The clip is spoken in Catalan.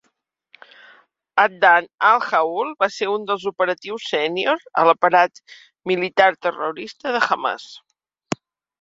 Adnan Al-Ghoul va ser un dels operatius sènior a l'aparat militar-terrorista de Hamas.